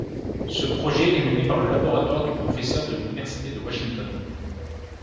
Ce projet est mené par le laboratoire du professeur de l'université de Washington.